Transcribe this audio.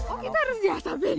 oh kita harus dihasapin